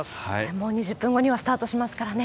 もう２０分後にはスタートしますからね。